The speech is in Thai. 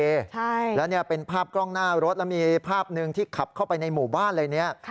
ใช่แล้วเนี่ยเป็นภาพกล้องหน้ารถแล้วมีภาพหนึ่งที่ขับเข้าไปในหมู่บ้านเลยเนี่ย